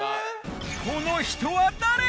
この人は誰？